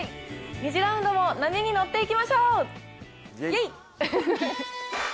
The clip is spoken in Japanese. ２次ラウンドも波に乗っていきましょうイエイ！